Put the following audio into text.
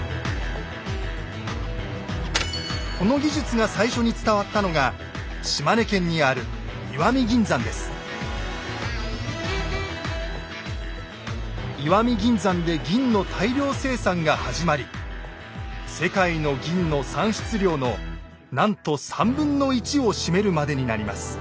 この技術が最初に伝わったのが石見銀山で銀の大量生産が始まり世界の銀の産出量のなんとを占めるまでになります。